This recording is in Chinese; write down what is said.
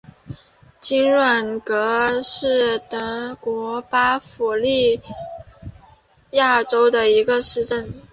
金钦格是德国巴伐利亚州的一个市镇。